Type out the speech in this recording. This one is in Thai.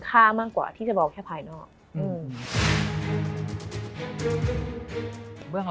มันทำให้ชีวิตผู้มันไปไม่รอด